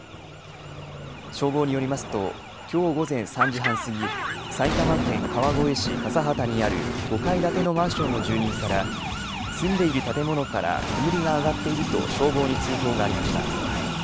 消防によりますと、きょう午前３時半過ぎ、埼玉県川越市笠幡にある５階建てのマンションの住人から、住んでいる建物から煙が上がっていると消防に通報がありました。